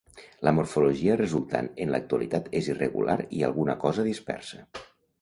La morfologia resultant en l'actualitat és irregular i alguna cosa dispersa.